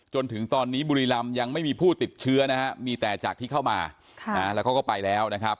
จนถึงตอนนี้บุรีรำยังไม่มีผู้ติดเชื้อนะฮะมีแต่จากที่เข้ามาแล้วเขาก็ไปแล้วนะครับ